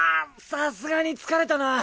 さすがに疲れたな。